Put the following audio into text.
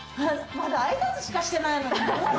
まだあいさつしかしてないのに。